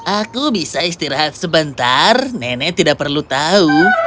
aku bisa istirahat sebentar nenek tidak perlu tahu